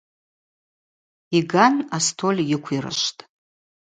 Йган астоль йыквирышвтӏ.